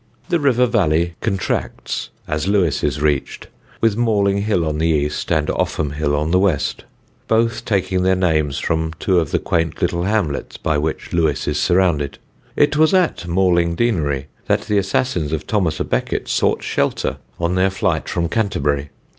The river valley contracts as Lewes is reached, with Malling Hill on the east and Offham Hill on the west: both taking their names from two of the quaint little hamlets by which Lewes is surrounded. It was at Mailing Deanery that the assassins of Thomas à Becket sought shelter on their flight from Canterbury.